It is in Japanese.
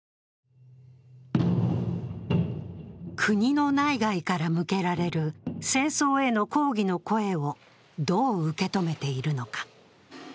国の内外から向けられる戦争への抗議の声をどう受け止めているのか。